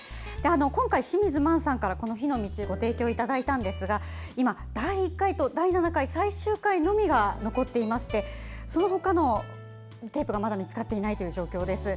今回、清水満さんから「火の路」をご提供いただいたんですが第１回と第７回の最終回のみが残っていましてそのほかのテープがまだ見つかっていない状況です。